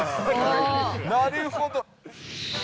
なるほど。